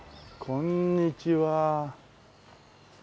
こんにちは。